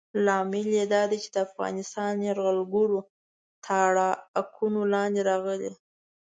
لامل یې دا دی چې افغانستان یرغلګرو تاړاکونو لاندې راغلی.